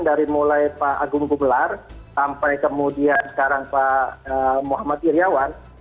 dari mulai pak agung gubelar sampai kemudian sekarang pak muhammad iryawan